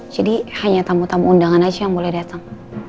jadi hanya tamu tamu undangan aja yang boleh datang